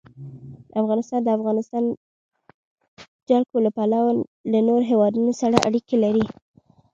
افغانستان د د افغانستان جلکو له پلوه له نورو هېوادونو سره اړیکې لري.